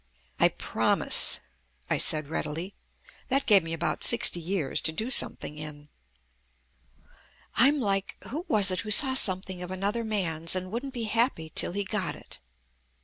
"I promise," I said readily. That gave me about sixty years to do something in. "I'm like who was it who saw something of another man's and wouldn't be happy till he got it?"